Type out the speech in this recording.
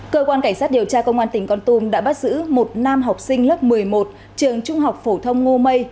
cơ quan cảnh sát điều tra công an tỉnh con tum đã bắt giữ một nam học sinh lớp một mươi một trường trung học phổ thông ngô mây